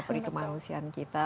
perih kemanusiaan kita